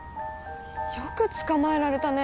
よく捕まえられたね。